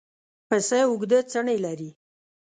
پسه اوږده څڼې لري.